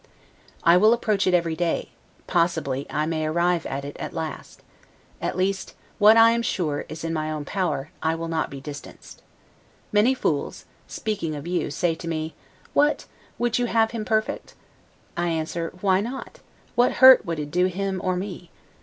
I will approach it every day, possibly, I may arrive at it at last; at least, what I am sure is in my own power, I will not be distanced. Many fools (speaking of you) say to me: What! would you have him perfect? I answer: Why not? What hurt would it do him or me?